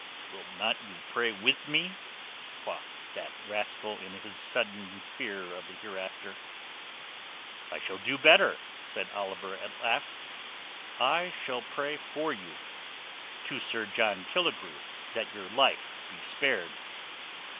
"Will not you pray with me?" quoth that rascal in his sudden fear of the hereafter. "I shall do better," said Sir Oliver at last. "I shall pray for you—to Sir John Killigrew, that your life be spared."